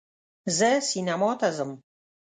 زه سینما ته ځم